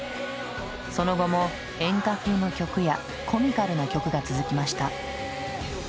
その後も演歌風の曲やコミカルな曲が続きました。